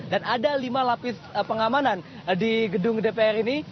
dan ada lima lapis pengamanan di gedung dpr ini